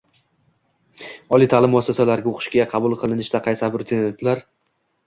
Oliy ta’lim muassasalariga o‘qishga qabul qilishda qaysi abituriyentlar